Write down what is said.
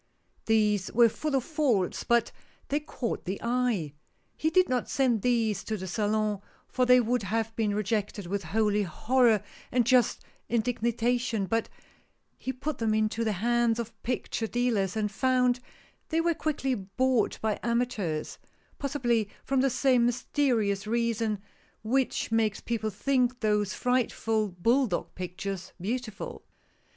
These were full of faults, but they caught the eye. He did not send these to the Salon, for they would have been rejected with holy horror and just indignation, but he put them into the hands of picture dealers, and found they were quickly bought by amateurs, possibly from the same mysterious reason which makes people think those frightful bull dog pictures beautiful.